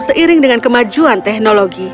seiring dengan kemajuan teknologi